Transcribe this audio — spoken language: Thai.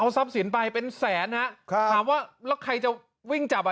ทรัพย์สินไปเป็นแสนฮะครับถามว่าแล้วใครจะวิ่งจับอ่ะ